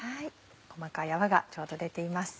細かい泡がちょうど出ています。